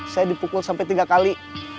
saya dipukul sampai tiga kali